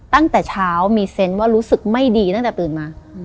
ตั้งแต่เช้ามีเซนต์ว่ารู้สึกไม่ดีตั้งแต่ตื่นมา